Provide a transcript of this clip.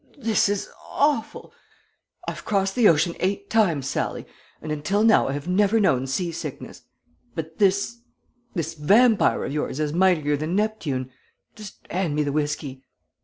"This is awful. I've crossed the ocean eight times, Sallie, and until now I have never known sea sickness, but this this vampire of yours is mightier than Neptune; just hand me the whiskey."